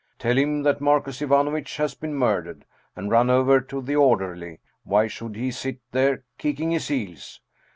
Tell him that Marcus Ivanovitch has been murdered. And run over to the or derly; why should he sit there, kicking his heels?